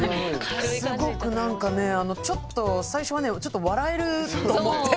すごくなんかねちょっと最初はねちょっと笑えると思って。